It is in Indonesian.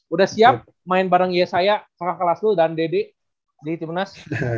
udah siap main bareng yesaya pakak kelaslu dan deddy di timunas